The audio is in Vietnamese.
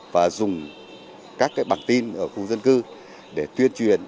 và dùng các bảng tin ở khu dân cư để tuyên truyền